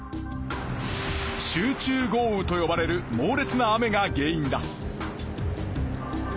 集中豪雨とよばれる猛烈な雨が原いんだ。